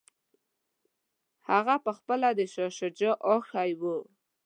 هغه پخپله د شاه شجاع اخښی وو.